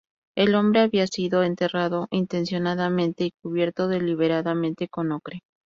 El hombre había sido enterrado intencionadamente y cubierto deliberadamente con ocre.